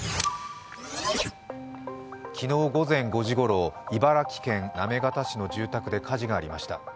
昨日午前５時ごろ、茨城県行方市の住宅で火事がありました。